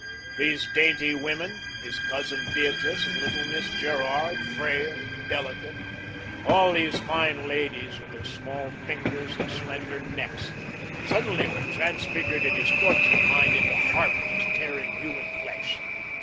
These dainty women, his cousin Beatrice and little Miss Gerard, frail, delicate; all these fine ladies with their small fingers and slender necks, suddenly were transfigured in his tortured mind into harpies tearing human flesh.